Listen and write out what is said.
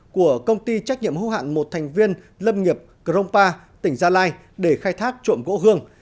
của công ty trách nhiệm hữu hạn một thành viên lâm nghiệp crongpa tỉnh gia lai để khai thác trộm gỗ hương